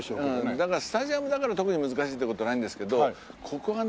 だからスタジアムだから特に難しいって事ないんですけどここがね